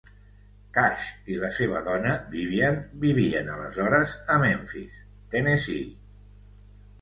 Cash i la seva dona, Vivian, vivien aleshores a Memphis, Tennessee.